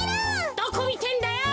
どこみてんだよ！